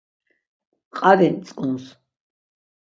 Qali mtzǩuns.